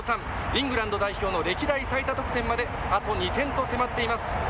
イングランド代表の歴代最多得点まであと２点と迫っています。